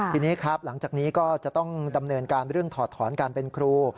ทีนี้ครับหลังจากนี้ก็จะต้องดำเนินการเรื่องถอดถอนการเป็นครู